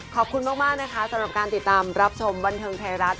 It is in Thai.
ขอบคุณมากนะคะสำหรับการติดตามรับชมบันเทิงไทยรัฐ